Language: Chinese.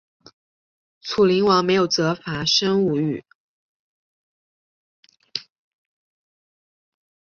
楚灵王没有责罚申无宇。